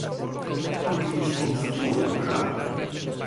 Porque lles constrúe o relato.